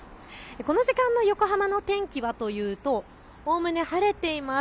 この時間の横浜の天気はというとおおむね晴れています。